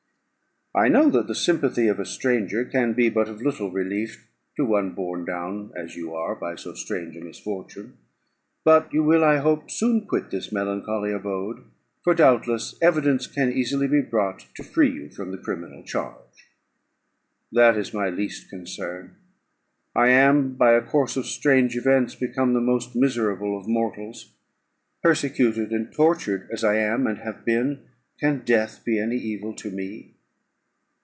"I know that the sympathy of a stranger can be but of little relief to one borne down as you are by so strange a misfortune. But you will, I hope, soon quit this melancholy abode; for, doubtless, evidence can easily be brought to free you from the criminal charge." "That is my least concern: I am, by a course of strange events, become the most miserable of mortals. Persecuted and tortured as I am and have been, can death be any evil to me?"